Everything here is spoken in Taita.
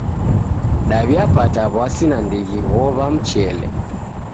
Daw'iapata w'asi nandighi ghow'a mchele.